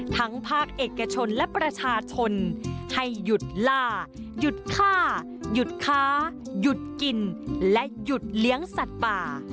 ภาคเอกชนและประชาชนให้หยุดล่าหยุดฆ่าหยุดค้าหยุดกินและหยุดเลี้ยงสัตว์ป่า